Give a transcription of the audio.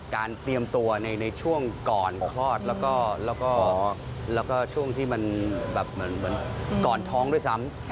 การเตรียมตัวในช่วงก่อนคลอดแล้วก็ช่วงที่มันก่อนท้องด้วยซ้ำ